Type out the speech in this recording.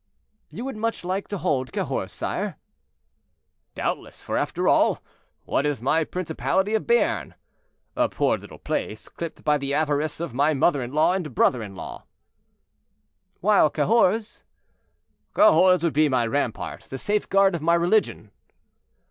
"You would much like to hold Cahors, sire?" "Doubtless; for after all, what is my principality of Béarn? A poor little place, clipped by the avarice of my mother in law and brother in law." "While Cahors—" "Cahors would be my rampart, the safeguard of my religion."